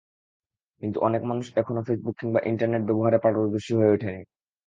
কিন্তু অনেক মানুষ এখনো ফেসবুক কিংবা ইন্টারনেট ব্যবহারে পারদর্শী হয়ে ওঠেননি।